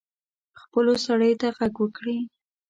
خپلو سړیو ته ږغ وکړي.